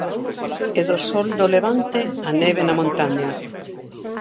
E do sol do Levante á neve na montaña.